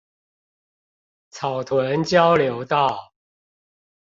草屯交流道